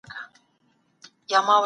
سوليزه سيالي تر جګړې ډېره خوندوره ده.